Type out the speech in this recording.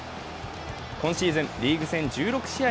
今シーズン、リーグ戦１６試合